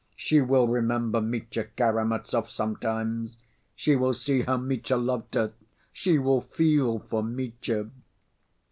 She will remember Mitya Karamazov sometimes, she will see how Mitya loved her, she will feel for Mitya!